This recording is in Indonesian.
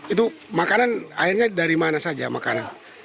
itu makanan airnya dari mana saja makanan